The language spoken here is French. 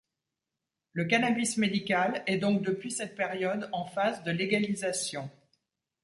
Le cannabis médical est donc depuis cette période en phase de légalisation.